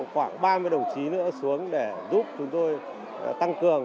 khoảng ba mươi đồng chí nữa xuống để giúp chúng tôi tăng cường